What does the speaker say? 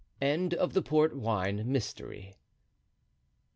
End of the Port Wine Mystery.